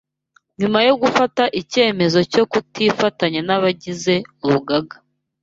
Nyuma yo gufata icyemezo cyo kutifatanya n’abagize urugaga